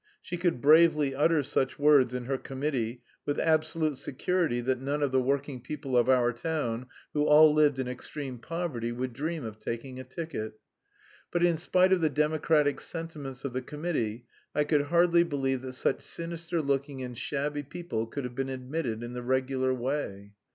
She could bravely utter such words in her committee with absolute security that none of the working people of our town, who all lived in extreme poverty, would dream of taking a ticket. But in spite of the democratic sentiments of the committee, I could hardly believe that such sinister looking and shabby people could have been admitted in the regular way.